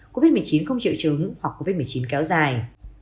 covid một mươi chín không triệu chứng hoặc covid một mươi chín kéo dài